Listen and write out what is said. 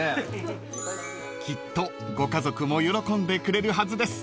［きっとご家族も喜んでくれるはずです］